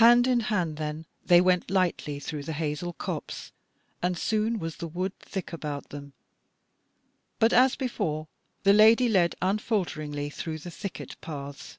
Hand in hand then they went lightly through the hazel copse, and soon was the wood thick about them, but, as before, the Lady led unfalteringly through the thicket paths.